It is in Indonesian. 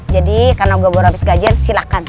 jadi karena gue baru habis gajian silahkan